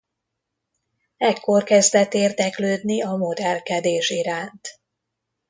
Ekkor kezdett érdeklődni a modellkedés iránt.